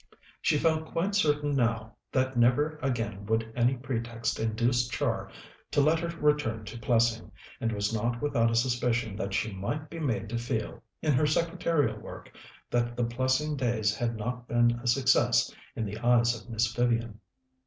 She felt quite certain now that never again would any pretext induce Char to let her return to Plessing, and was not without a suspicion that she might be made to feel, in her secretarial work, that the Plessing days had not been a success in the eyes of Miss Vivian.